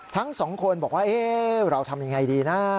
ทั้งสองคนบอกว่าเราทำยังไงดีนะ